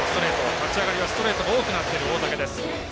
立ち上がりはストレートが多くなっている大竹。